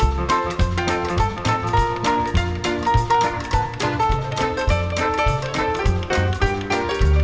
โปรดติดตามต่อไป